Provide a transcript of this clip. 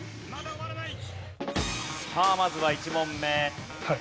さあまずは１問目。